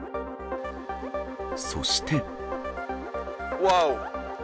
そして。